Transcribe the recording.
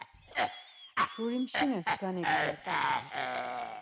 Şurimşine skani ǩala t̆as.